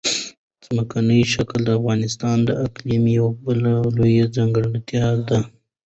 ځمکنی شکل د افغانستان د اقلیم یوه بله لویه ځانګړتیا ده.